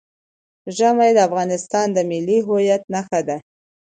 ژمی د افغانستان د ملي هویت نښه ده.